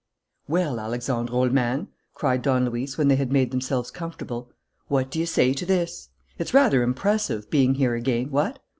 "Well, Alexandre, old man," cried Don Luis, when they had made themselves comfortable, "what do you say to this? It's rather impressive, being here again, what?